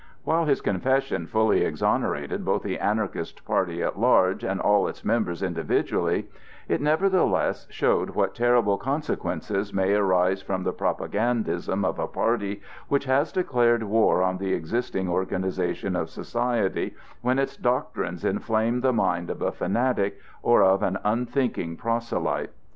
While his confession fully exonerated both the Anarchist party at large and all its members individually, it nevertheless showed what terrible consequences may arise from the propagandism of a party which has declared war on the existing organization of society, when its doctrines inflame the mind of a fanatic or of an unthinking proselyte.